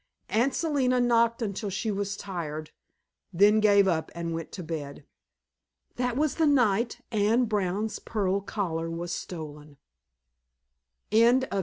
Aunt Selina knocked until she was tired, then gave up and went to bed. That was the night Anne Brown's pearl collar was stolen! Chapter VI.